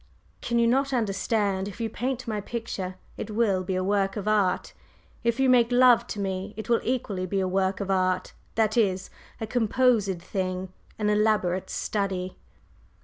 "Can you not understand? If you paint my picture it will be a work of art. If you make love to me it will equally be a work of art: that is, a composed thing an elaborate study."